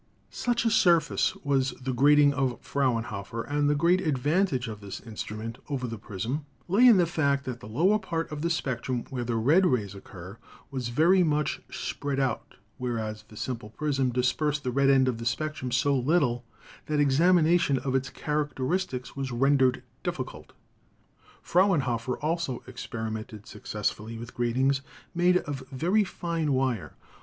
Such a surface was the grating of Frauenhofer, and the great advantage of this instrument over the prism lay in the fact that the lower part of the spectrum where the red rays occur was very much spread out, whereas the simple prism dispersed the red end of the spectrum so little that examination of its characteristics was rendered difficult. Frauenhofer also experimented successfully with gratings made of very fine wire